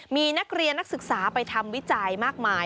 มีนักเรียนนักศึกษาไปทำวิจัยมากมาย